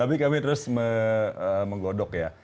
tapi kami terus menggodok ya